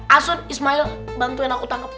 asun ismail bantuin aku tangkap